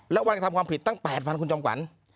แล้วทำความผิดตั้ง๘๐๐๐คุณจองฝัน